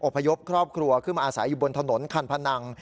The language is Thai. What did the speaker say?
อพยพครอบครัวเชื่อมาทรายอยู่บนถนนขันภนัง